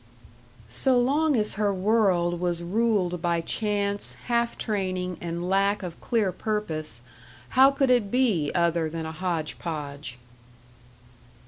So long as her world was ruled by chance, half training, and lack of clear purpose, how could it be other than a hodge podge?